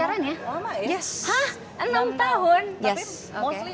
anda adalah saudara di perumahan terakhir awak